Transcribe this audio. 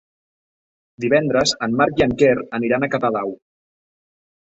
Divendres en Marc i en Quer aniran a Catadau.